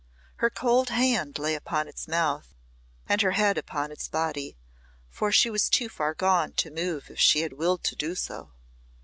Her cold hand lay upon its mouth, and her head upon its body, for she was too far gone to move if she had willed to do so.